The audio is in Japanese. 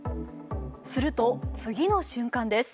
すると、次の瞬間です。